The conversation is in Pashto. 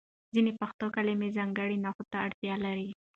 ځینې پښتو کلمې ځانګړي نښو ته اړتیا لري.